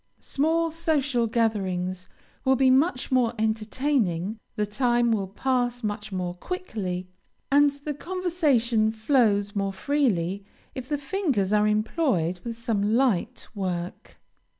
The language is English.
Small social gatherings will be much more entertaining, the time will pass much more quickly, and the conversation flows more freely if the fingers are employed with some light work.